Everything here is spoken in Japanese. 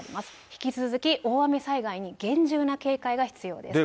引き続き大雨災害に厳重な警戒が必要です。